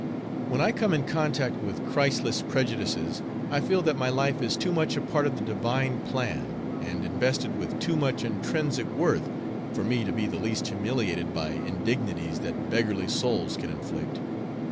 When I come in contact with Christless prejudices, I feel that my life is too much a part of the Divine plan, and invested with too much intrinsic worth, for me to be the least humiliated by indignities that beggarly souls can inflict.